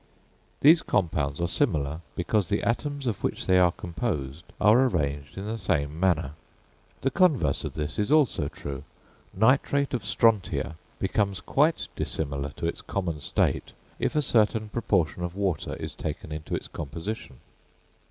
These compounds are similar, because the atoms of which they are composed are arranged in the same manner. The converse of this is also true: nitrate of strontia becomes quite dissimilar to its common state if a certain proportion of water is taken into its composition.